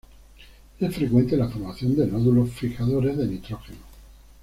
Es frecuente la formación de nódulos fijadores de nitrógeno.